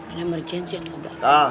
ini emergency ya itu abah